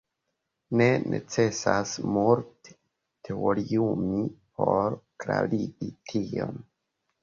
Ne necesas multe teoriumi por klarigi tion.